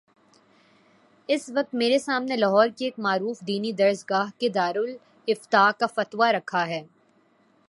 اس وقت میرے سامنے لاہور کی ایک معروف دینی درس گاہ کے دارالافتاء کا فتوی رکھا ہے۔